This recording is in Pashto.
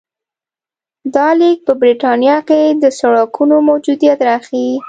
دا لیک په برېټانیا کې د سړکونو موجودیت راښيي